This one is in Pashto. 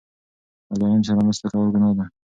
له ظالم سره مرسته کول ګناه ده.